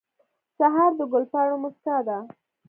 سهار د ګل پاڼو موسکا ده.